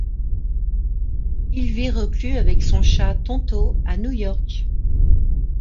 Il vit reclus avec son chat Tonto à New York.